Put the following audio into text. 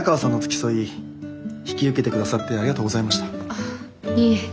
ああいえ。